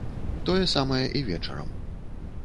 Тое самае і вечарам.